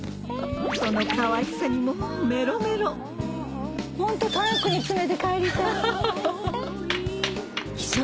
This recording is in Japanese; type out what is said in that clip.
そのかわいさにもうメロメロホントトランクに詰めて帰りたい。